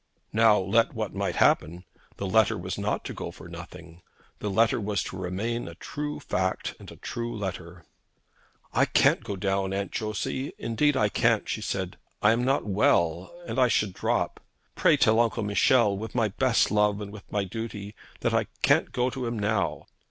Now, let what might happen, the letter was not to go for nothing. The letter was to remain a true fact, and a true letter. 'I can't go down, Aunt Josey; indeed I can't,' she said. 'I am not well, and I should drop. Pray tell Uncle Michel, with my best love and with my duty, that I can't go to him now.'